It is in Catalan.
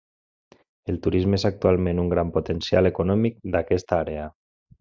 El turisme és actualment un gran potencial econòmic d'aquesta àrea.